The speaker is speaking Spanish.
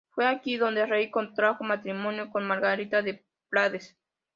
Fue aquí donde el rey contrajo matrimonio con Margarita de Prades.